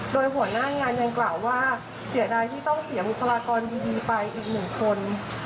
โดยหัวหน้างานยังกล่าวว่าเสียดายที่ต้องเสียบุคลากรดีไปอีกหนึ่งคน